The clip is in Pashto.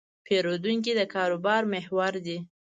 پیرودونکی د کاروبار محور دی.